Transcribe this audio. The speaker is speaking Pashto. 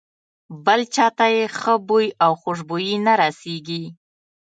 بل چاته یې ښه بوی او خوشبويي نه رسېږي.